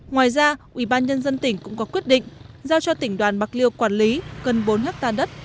ngoài ra ủy ban nhân dân tỉnh cũng có quyết định giao cho tỉnh đoàn bạc liêu quản lý gần bốn hectare đất